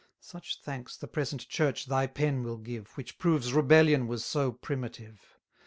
Such thanks the present church thy pen will give, Which proves rebellion was so primitive.